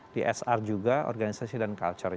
di sr juga organisasi dan culture